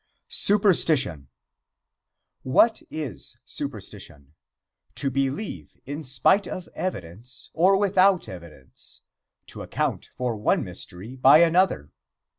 SUPERSTITION. I. WHAT IS SUPERSTITION? To believe in spite of evidence or without evidence. To account for one mystery by another.